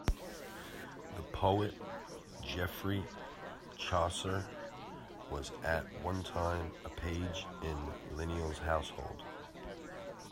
The poet Geoffrey Chaucer was at one time a page in Lionel's household.